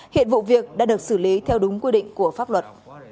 hiện vụ việc đã được xử lý theo đúng quy định của pháp luật